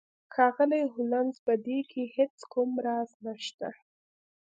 ښاغلی هولمز په دې کې هیڅ کوم راز نشته